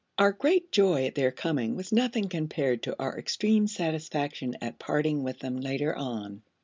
Our great joy at their coming was nothing compared to our extreme satisfaction at parting with them later on.